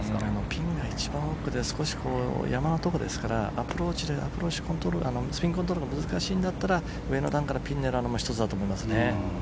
ピンが一番奥で少し山のところですからアプローチでスピンコントロールが難しいんだったら上の段からピンを狙うのも１つだと思いますね。